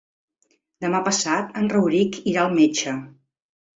Demà passat en Rauric irà al metge.